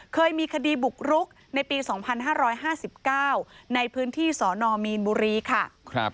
เคยมีคดีบุกรุกในปี๒๕๕๙ในพื้นที่สนมีนบุรีค่ะ